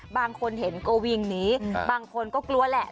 บางคนเห็นก็วิ่งหนีบางคนก็กลัวแหละ